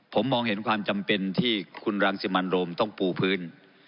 ผมมองเห็นความจำเป็นที่คุณรังสิมันโรมต้องปูพื้น